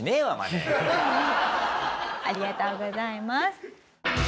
ありがとうございます。